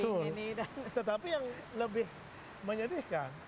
tetapi yang lebih menyedihkan